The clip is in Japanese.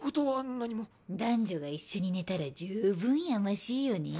男女が一緒に寝たらじゅうぶんやましいよねぇ。